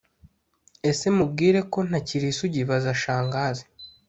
Ese mubwire ko ntakiri isugi-Baza Shangazi